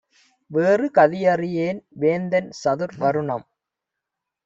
வேறு கதியறியேன்; வேந்தன் சதுர்வருணம்